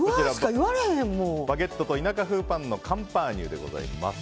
バゲットと田舎風パンのカンパーニュでございます。